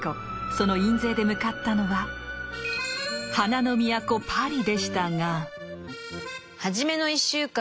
その印税で向かったのは「花の都パリ」でしたが。